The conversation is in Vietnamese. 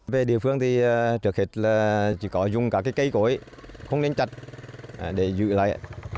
về địa phương thì trước hết là chỉ có dùng các cái cây cối không nên chặt để giữ lại